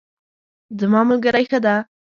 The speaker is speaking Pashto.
زما ملګری ښه ده